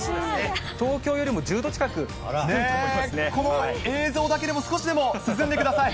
東京よりも１０度近く低いとこの映像だけでも、少しでも涼んでください。